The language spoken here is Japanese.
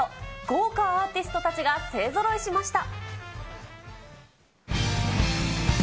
豪華アーティストたちが勢ぞろいしました。